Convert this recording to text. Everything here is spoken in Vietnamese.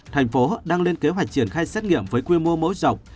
tp hcm đang lên kế hoạch triển khai xét nghiệm với quy mô mẫu rộng